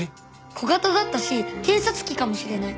小型だったし偵察機かもしれない。